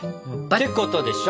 てことでしょ？